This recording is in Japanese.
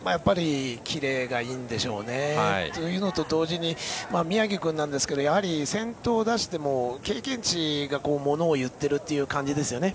キレがいいんでしょうね。というのと同時に宮城君ですがやはり先頭を出しても経験値がものをいっているという感じですよね。